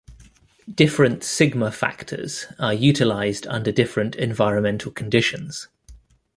Different sigma factors are utilized under different environmental conditions.